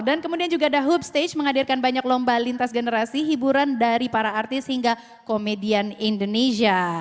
dan kemudian juga ada hub stage menghadirkan banyak lomba lintas generasi hiburan dari para artis hingga komedian indonesia